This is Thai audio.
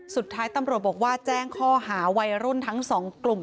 สุดท้ายตำรวจบอกว่าแจ้งข้อหาวัยรุ่นทั้งสองกลุ่ม